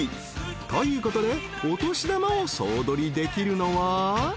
［ということでお年玉を総取りできるのは］